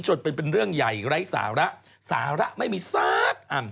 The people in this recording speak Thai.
เป็นเรื่องใหญ่ไร้สาระสาระไม่มีสักอัน